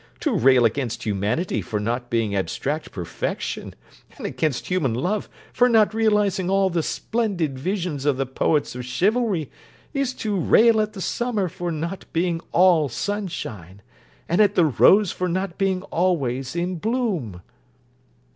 To rail against humanity for not being abstract perfection, and against human love for not realising all the splendid visions of the poets of chivalry, is to rail at the summer for not being all sunshine, and at the rose for not being always in bloom.